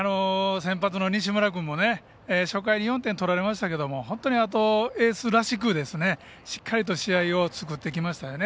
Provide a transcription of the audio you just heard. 先発の西村君も初回に４点取られましたけれどそのあとエースらしくしっかりと試合を作ってきましたよね